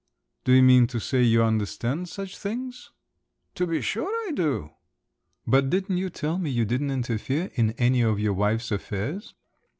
"Do you mean to say you understand such things?" "To be sure I do." "But didn't you tell me you didn't interfere in any of your wife's affairs?"